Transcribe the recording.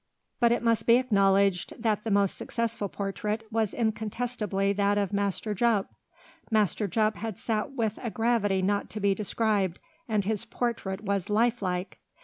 But it must be acknowledged that the most successful portrait was incontestably that of Master Jup. Master Jup had sat with a gravity not to be described, and his portrait was lifelike!